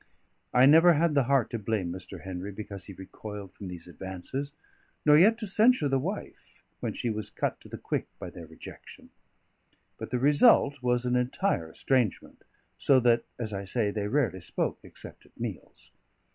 I never had the heart to blame Mr. Henry because he recoiled from these advances; nor yet to censure the wife, when she was cut to the quick by their rejection. But the result was an entire estrangement, so that (as I say) they rarely spoke, except at meals.